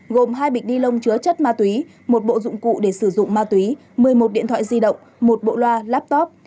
gồm hai bịch ni lông chứa chất ma túy một bộ dụng cụ để sử dụng ma túy một mươi một điện thoại di động một bộ loa la laptop